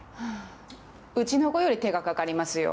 うちの子より手がかかりますよ。